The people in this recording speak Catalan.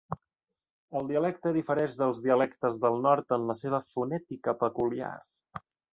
El dialecte difereix dels dialectes del nord en la seva fonètica peculiar.